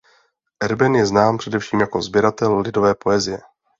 Erben je znám především jako sběratel lidové poezie.